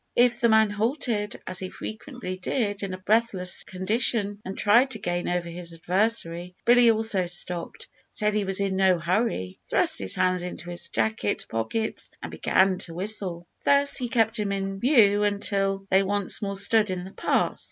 If the man halted, as he frequently did in a breathless condition, and tried to gain over his adversary, Billy also stopped, said he was in no hurry, thrust his hands into his jacket pockets, and began to whistle. Thus he kept him in view until they once more stood in the pass.